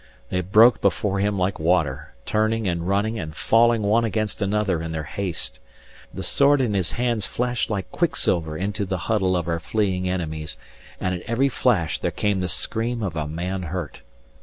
They broke before him like water, turning, and running, and falling one against another in their haste. The sword in his hands flashed like quicksilver into the huddle of our fleeing enemies; and at every flash there came the scream of a man hurt.